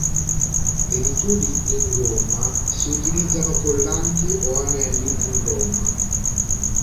Per i tubi in gomma si utilizzano collanti o anelli in gomma.